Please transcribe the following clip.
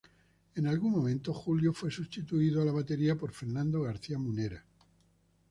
En algún momento, Julio fue sustituido a la batería por Fernando García Munera.